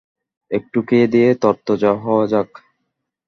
একটু খেয়ে দেয়ে তরতাজা হওয়া যাক।